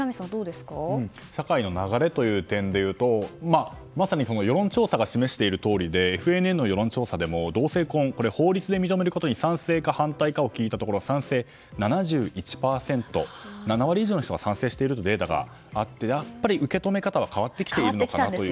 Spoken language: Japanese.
社会の流れという点でいうとまさに世論調査が示しているとおりでＦＮＮの世論調査でも同性婚を法律で認めるか賛成か反対かを聞いたところ賛成７１％と、７割以上の人が賛成しているデータがあってやっぱり受け止め方は変わってきているんだなと。